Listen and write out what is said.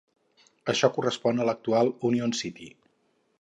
Això correspon a l'actual Union City.